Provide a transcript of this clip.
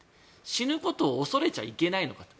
死ぬことを恐れちゃいけないのかと。